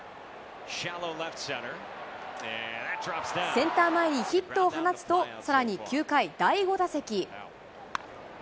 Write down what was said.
センター前にヒットを放つと、さらに９回、第５打席。